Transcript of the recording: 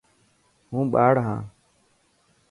هون ٻاڙ هان.